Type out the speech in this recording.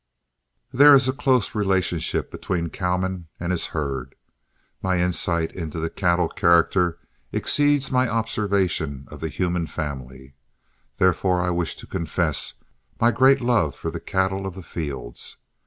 There is a close relationship between a cowman and his herds. My insight into cattle character exceeds my observation of the human family. Therefore I wish to confess my great love for the cattle of the fields.